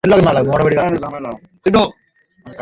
আমাকে সাহায্য করতে পারবে?